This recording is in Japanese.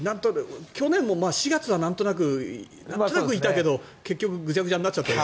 去年も４月はなんとなくいたけど結局ぐちゃぐちゃになっちゃった。